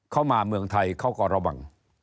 เขามาเมืองไทยเขาก็ระวัง